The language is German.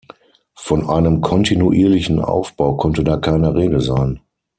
Von einem kontinuierlichen Aufbau konnte da keine Rede sein.